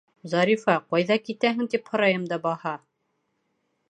— Зарифа, ҡайҙа китәһең, тип һорайым да баһа.